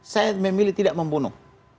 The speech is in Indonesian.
saya memilih tidak membunuh